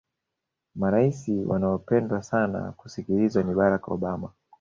maraisi wanaopendwa sana kusikilizwa ni barack obama